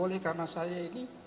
oleh karena saya ini